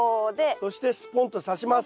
そしてスポンとさします。